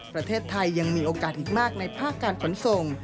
ประเทศไทยยังมีโอกาสอีกมากในภาคการขนส่ง